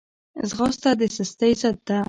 ځغاسته د سستۍ ضد ده